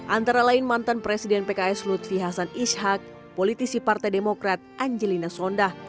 antara lain mantan presiden pks lutfi hasan ishak politisi partai demokrat angelina sondah